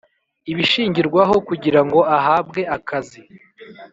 Ibishingirwaho kugira ngo ahabwe akazi